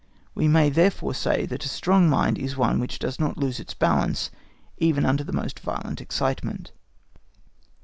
We may therefore say that a strong mind is one which does not lose its balance even under the most violent excitement.